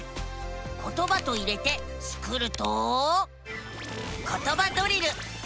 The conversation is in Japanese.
「ことば」と入れてスクると「ことばドリル」。